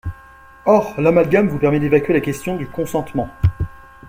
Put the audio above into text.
Or, l’amalgame vous permet d’évacuer la question du consentement.